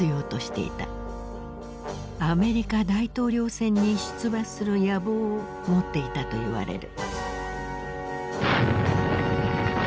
アメリカ大統領選に出馬する野望を持っていたと言われる。